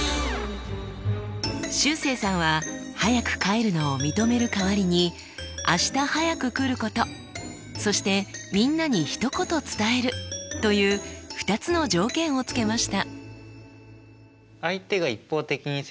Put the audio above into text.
しゅうせいさんは早く帰るのを認める代わりに明日早く来ることそしてみんなに一言伝えるという２つの条件をつけました。